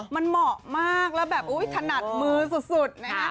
มันเหมาะมากแล้วแบบอุ๊ยถนัดมือสุดนะฮะ